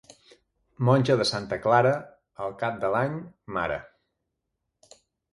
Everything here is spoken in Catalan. Monja de santa Clara, al cap de l'any, mare.